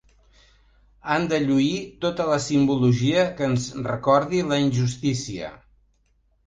Han de lluir tota la simbologia que ens recordi la injustícia.